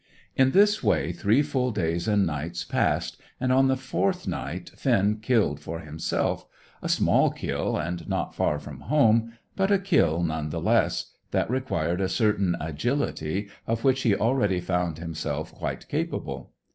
In this way three full days and nights passed, and on the fourth night Finn killed for himself a small kill, and not far from home, but a kill, none the less, that required a certain agility, of which he already found himself quite capable.